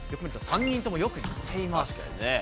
３人ともよく似ています。